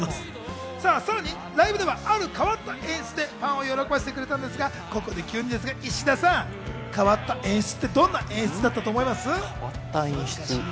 さらにライブではある変わった演出でファンを喜ばせてくれたんですが、急にですが、石田さん、変わった演出ってどんなことだと思います？